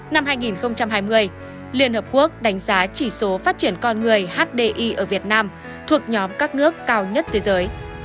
năm hai nghìn hai mươi liên hợp quốc đánh giá chỉ số phát triển con người hdi ở việt nam thuộc nhóm các nước cao nhất thế giới